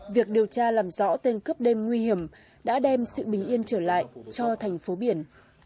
việc điều tra làm rõ tên cướp đêm nguy hiểm đã đem sự bình yên trở lại cho thành phố biển